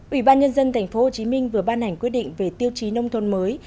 ủy ban nhân dân tp hcm vừa ban hành quyết định về tiêu chí nông thôn mới